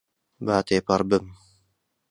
با تێپەڕبم.